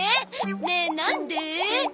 ねえなんで？